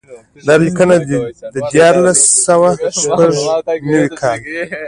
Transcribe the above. دا لیکنه د دیارلس سوه شپږ نوي کال ده.